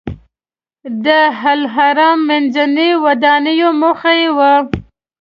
د الحمرأ منځۍ د ودانونې موخه یې وه.